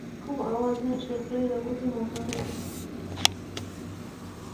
کوم اوازونه چې له خولې راوځي مانا لري